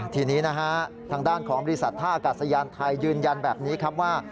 ทีนี้นะฮะทางด้านของบริษัทท่าอากาศยานไทยยืนยันแบบนี้ครับว่า